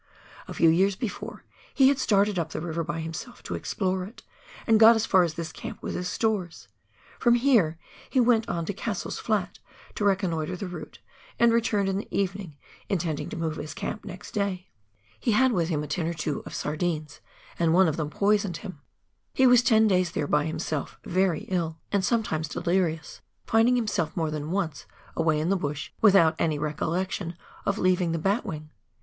A few years before, he had started up the river by himself to explore it, and got as far as this camp with his stores ; from here he went on to Cassell's Flat to reconnoitre the route, and returned in the evening, intending to move his camp next day. He had 184 PIONEER WOEK IN THE ALPS OF NEW ZEALAND. witii Hm. a tin or two of sardines, and one of them poisoned him. He was ten days there by himself, very ill, and some times delirious — finding himself more than once away in the bush, without any recollection of leaving the batwing.